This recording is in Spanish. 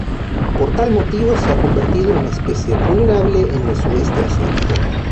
Por tal motivo se ha convertido en una especie vulnerable en el Sudeste Asiático.